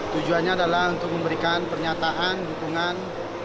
tujuannya adalah untuk memberikan pernyataan dukungan